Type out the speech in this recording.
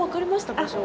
場所。